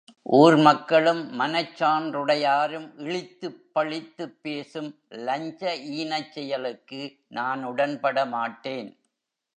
ஊர் மக்களும், மனச் சான்றுடையாரும் இழித்துப் பழித்துப் பேசும் லஞ்ச ஈனச் செயலுக்கு நான் உடன்பட மாட்டேன்!